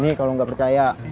nih kalau enggak percaya